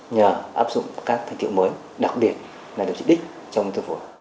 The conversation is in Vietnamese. nhờ áp dụng các thương tiện mới đặc biệt là điều trị đích trong tư phổi